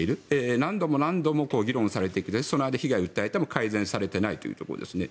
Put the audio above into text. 何度も何度も議論されてきてその間、被害を訴えても改善されていないというところですね。